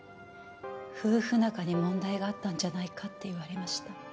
夫婦仲に問題があったんじゃないかって言われました。